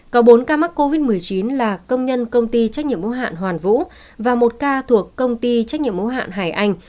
có bốn ca mắc covid một mươi chín là công nhân công ty trách nhiệm mô hạn hoàn vũ và một ca thuộc công ty trách nhiệm mô hạn hải anh